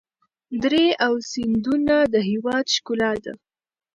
درې او سیندونه د هېواد ښکلا ده.